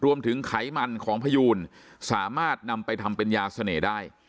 ไขมันของพยูนสามารถนำไปทำเป็นยาเสน่ห์ได้